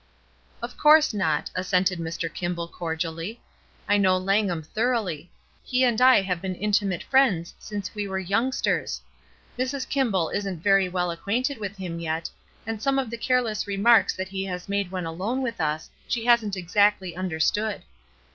"Of course not," assented Mr. Kimball, cordially. "I know Langham thoroughly. He and I have been intimate friends since we were youngsters. Mrs. Kimball isn't very well acquainted with him yet, and some of the careless remarks that he has made when alone with us, she hasn't exactly understood.